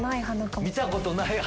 見たことない鼻？